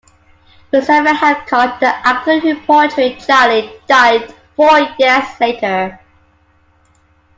Christopher Hancock, the actor who portrayed Charlie, died four years later.